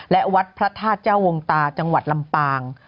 และวัดพระธาตุเจ้าวงตาจังหวัดลำปาง